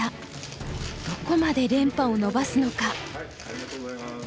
どこまで連覇を伸ばすのか。